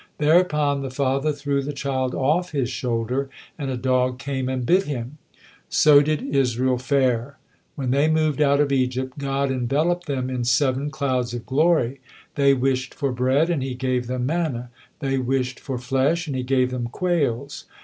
'" Thereupon the father threw the child off his shoulder, and a dog came and bit him. So did Israel fare. When they moved out of Egypt, God enveloped them in seven clouds of glory; they wished for bread, and He gave them manna; they wished for flesh, and He gave them quails.